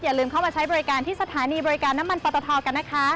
ลืมเข้ามาใช้บริการที่สถานีบริการน้ำมันปอตทกันนะคะ